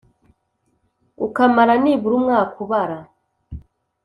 ukamara nibura umwaka ubara,